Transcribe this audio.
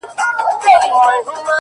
بیا مي د اوښکو وه رڼا ته سجده وکړه-